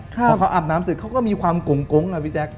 พอเขาอาบน้ำเสร็จเขาก็มีความกงอ่ะพี่แจ๊ค